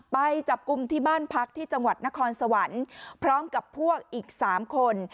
ไปจับกลุ่มที่บ้านพักที่จังหวัดนครสวรรค์พร้อมกับพวกอีก๓คน